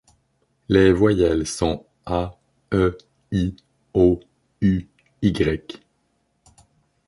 les voyelles sont a, e, i, o, u, y